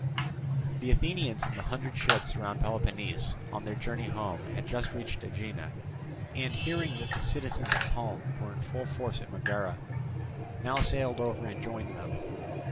The Athenians in the hundred ships round Peloponnese on their journey home had just reached Aegina, and hearing that the citizens at home were in full force at Megara, now sailed over and joined them.